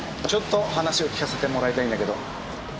ちょっと話を聞かせてもらいたいんだけど。